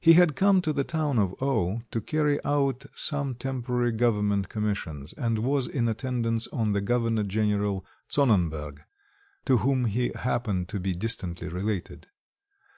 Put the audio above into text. He had come to the town of O to carry out some temporary government commissions, and was in attendance on the Governor General Zonnenberg, to whom he happened to be distantly related.